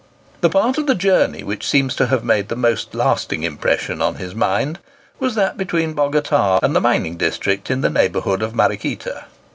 The part of the journey which seems to have made the most lasting impression on his mind was that between Bogota and the mining district in the neighbourhood of Mariquita.